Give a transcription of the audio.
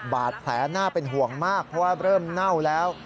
บาดแผลน่าเป็นห่วงมากเพราะว่าเริ่มเน่าแล้ว